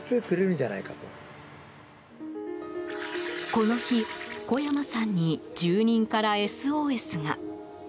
この日、小山さんに住人からＳＯＳが。